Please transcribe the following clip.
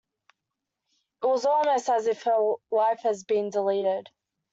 It was almost as if her life had been deleted.